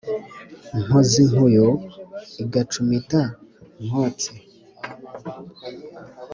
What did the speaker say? Nkoza inkuyu igacumita Nkotsi,